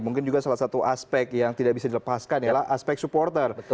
mungkin juga salah satu aspek yang tidak bisa dilepaskan yalah aspek supporter